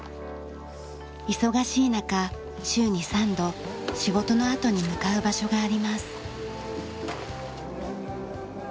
忙しいなか週に３度仕事のあとに向かう場所があります。